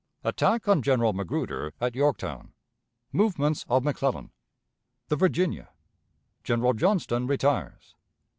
Attack on General Magruder at Yorktown. Movements of McClellan. The Virginia. General Johnston retires.